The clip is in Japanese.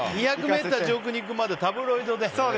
２００ｍまで上空に行くまでタブロイドへ。